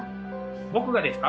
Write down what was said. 「僕がですか？」。